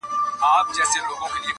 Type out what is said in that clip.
چي دي و وینم د تورو سترګو جنګ کي,